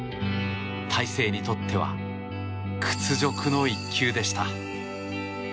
大勢にとっては屈辱の一球でした。